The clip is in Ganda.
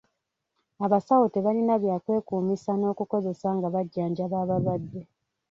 Abasawo tebalina bya kwekumisa n'okukozesa nga bajjanjaba abalwadde.